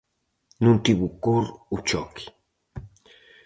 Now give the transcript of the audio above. Non tivo cor o choque.